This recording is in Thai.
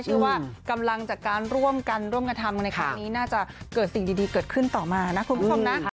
ชื่อว่ากำลังจากการร่วมกันทำในครั้งนี้น่าจะเกิดสิ่งดีเกิดขึ้นต่อมานะคุณผู้ชมนะ